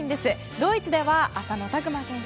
ドイツでは浅野拓磨選手